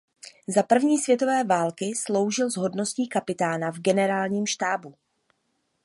Za první světové války sloužil s hodností kapitána v generálním štábu.